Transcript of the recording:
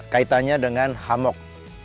kaitannya dengan hamok